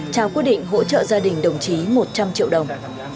trao quyết định hỗ trợ gia đình đồng chí một trăm linh triệu đồng